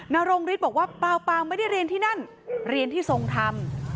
นรงฤทธิ์บอกว่าเปล่าปางไม่ได้เรียนที่นั่นเรียนที่ทรงทำ